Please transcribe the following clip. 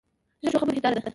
ژبه د ښو خبرو هنداره ده